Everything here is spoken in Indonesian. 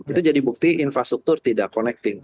itu jadi bukti infrastruktur tidak connecting